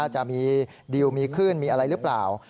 จะมีดิวมีขึ้นมีอะไรหรือเปล่า